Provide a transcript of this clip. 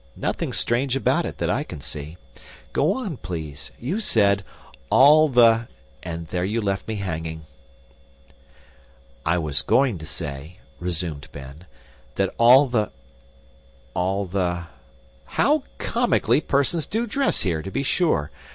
Nothing strange about it that I can see. Go on, please. You said, 'All the' and there you left me hanging." "I was going to say," resumed Ben, "that all the all the how comically persons do dress here, to be sure!